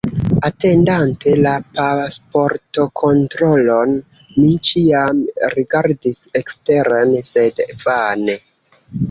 Atendante la pasportokontrolon, mi ĉiam rigardis eksteren, sed vane.